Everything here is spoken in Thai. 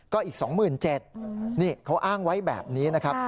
ก็อีก๒๗๐๐นี่เขาอ้างไว้แบบนี้นะครับ